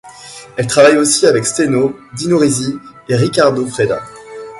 Elle travaille aussi avec Steno, Dino Risi et Riccardo Freda.